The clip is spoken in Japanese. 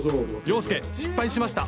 洋輔失敗しました！